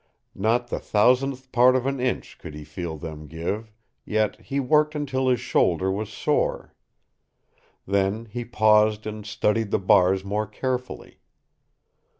Not the thousandth part of an inch could he feel them give, yet he worked until his shoulder was sore. Then he paused and studied the bars more carefully.